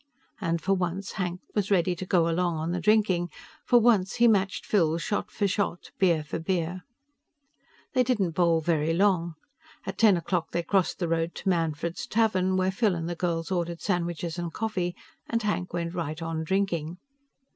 And for once, Hank was ready to go along on the drinking. For once, he matched Phil shot for shot, beer for beer. They didn't bowl very long. At ten o'clock they crossed the road to Manfred's Tavern, where Phil and the girls ordered sandwiches and coffee and Hank went right on drinking.